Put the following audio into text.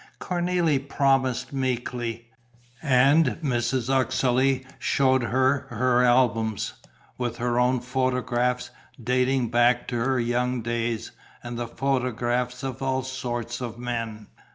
Cornélie promised meekly. And Mrs. Uxeley showed her her albums, with her own photographs, dating back to her young days, and the photographs of all sorts of men.